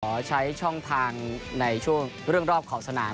ขอใช้ช่องทางในช่วงเรื่องรอบขอบสนาม